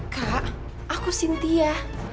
kak aku sintia